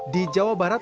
di jawa barat